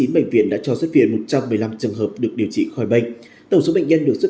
chín bệnh viện đã cho xuất viện một trăm một mươi năm trường hợp được điều trị khỏi bệnh tổng số bệnh nhân được xuất